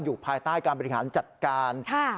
ภายใต้การบริหารจัดการ